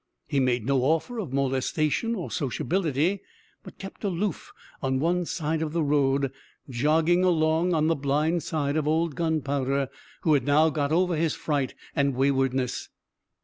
He made no offer of molestation or sociability, but kept aloof on one side of the road, jogging along on the blind side of old Gunpowder, who had now got over his fright and waywardness.